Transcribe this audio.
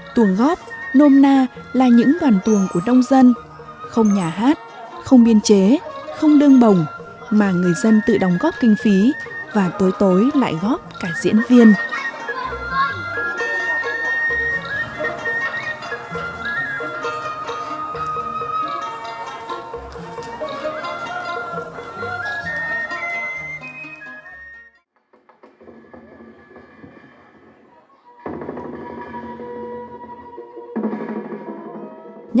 tuồng góp nôm na là những đoàn tuồng của đông dân không nhà hát không biên chế không đương bổng mà người dân tự đóng góp kinh phí và tối tối lại góp cả diễn viên